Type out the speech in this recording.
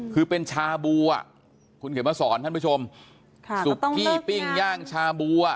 คือเป็นชาบัวคุณเขียนมาสอนท่านผู้ชมค่ะก็ต้องเลิกงานสุขี่ปิ้งย่างชาบัว